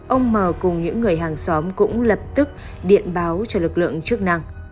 ông mờ cùng những người hàng xóm cũng lập tức điện báo cho lực lượng chức năng